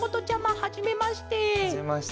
はじめまして。